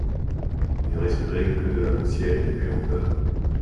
Il ne respirait que de la poussière et des puanteurs.